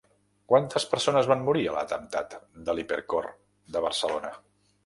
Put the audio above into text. Quantes persones van morir a l'atemptat de l'Hipercor de Barcelona?